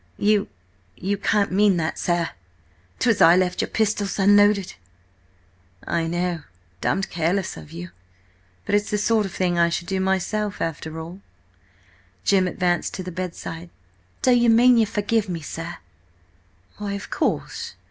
"You–you can't mean that, sir! 'Twas I left your pistols unloaded." "I know. Damned careless of you, but it's the sort of thing I should do myself, after all." Jim advanced to the bedside. "Do you mean you forgive me, sir?" "Why, of course!